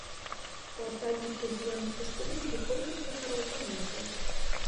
У астатніх рэгіёнах рэспублікі колькасць жыхароў паменшылася.